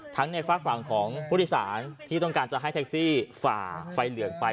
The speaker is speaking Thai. ในฝากฝั่งของผู้โดยสารที่ต้องการจะให้แท็กซี่ฝ่าไฟเหลืองไป